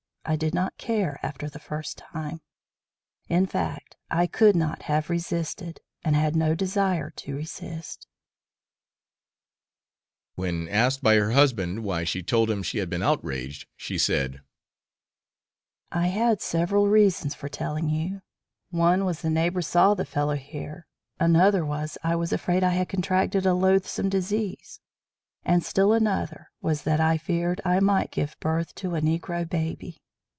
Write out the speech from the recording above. I did not care after the first time. In fact I could not have resisted, and had no desire to resist. When asked by her husband why she told him she had been outraged, she said: "I had several reasons for telling you. One was the neighbors saw the fellows here, another was, I was afraid I had contracted a loathsome disease, and still another was that I feared I might give birth to a Negro baby.